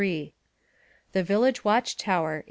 The Village Watch Tower, 1895.